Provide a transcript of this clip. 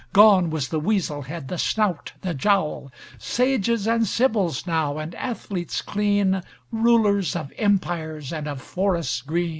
Gone was the weasel head, the snout, the jowl! Sages and sibyls now, and athletes clean, Rulers of empires and of forests green!